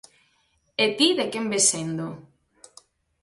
E ti de quen ves sendo?